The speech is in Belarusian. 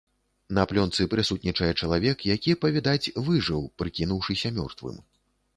На плёнцы прысутнічае чалавек, які, па-відаць, выжыў, прыкінуўшыся мёртвым.